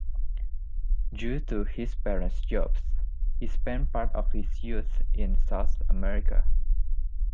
Due to his parents' jobs he spent part of his youth in South America.